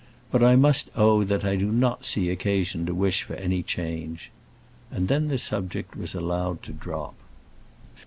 But I must own that I do not see occasion to wish for any change." And then the subject was allowed to drop.